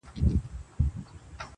دا دی د ژوند و آخري نفس ته ودرېدم~